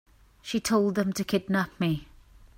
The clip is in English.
She told them to kidnap me.